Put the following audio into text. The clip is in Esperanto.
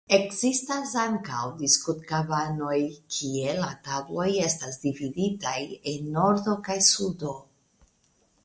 Ekzistas ankaŭ diskutkabanoj kie la tabloj estas dividitaj en nordo kaj sudo.